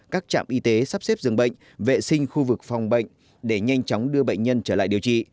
các trạm y tế sắp xếp dường bệnh vệ sinh khu vực phòng bệnh để nhanh chóng đưa bệnh nhân trở lại điều trị